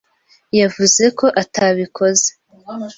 yavuze ko atabikoze.